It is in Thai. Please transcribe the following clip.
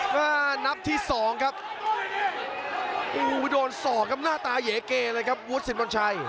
โอ้ใจสองขวาอะโหโดนเลยครับดอกนี้